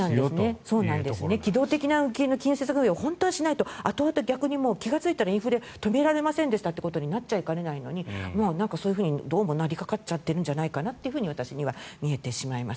機動的にしないと後々が気がついたらインフレ止められませんでしたとなっちゃいかねないのにそういうふうになりかかっているんじゃないかと私には見えてしまいます。